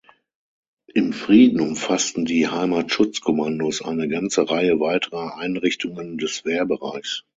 Im Frieden umfassten die Heimatschutzkommandos eine ganze Reihe weiterer Einrichtungen des Wehrbereichs.